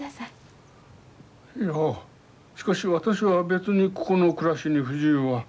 いやしかし私は別にここの暮らしに不自由は。